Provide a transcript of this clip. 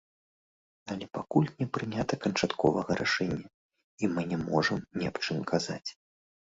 Але пакуль не прынята канчатковага рашэння, і мы не можам ні аб чым казаць.